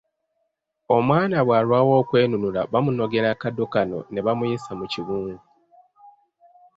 Omwana bwalwawo okwenunula bamunogera akaddo kano ne bamuyisa mu kibungu.